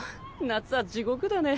夏は地獄だね。